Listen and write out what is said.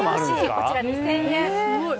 こちら２０００円。